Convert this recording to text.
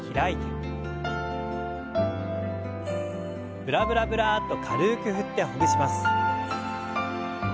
ブラブラブラッと軽く振ってほぐします。